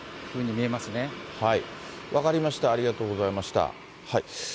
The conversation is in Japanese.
分かりました、ありがとうございました。